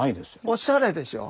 おしゃれでしょ？